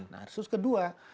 nah terus kedua